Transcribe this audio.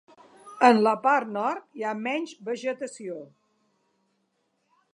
En la part nord hi ha menys vegetació.